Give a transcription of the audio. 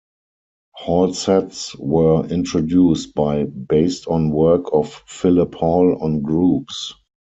Hall sets were introduced by based on work of Philip Hall on groups.